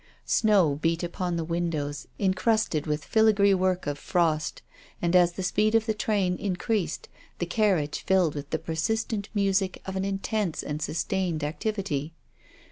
Snow beat upon the windows, incrusted with the filagree work of frost, and as the speed of the train in creased the carriage filled with the persistent music of an intense and sustained activity.